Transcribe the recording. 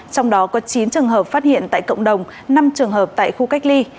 trong đó có chín trường hợp phát hiện tại cộng đồng năm trường hợp tại khu cách ly